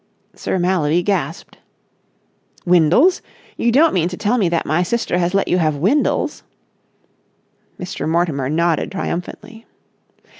Sir Mallaby gasped. "Windles! You don't mean to tell me that my sister has let you have Windles!" Mr. Mortimer nodded triumphantly.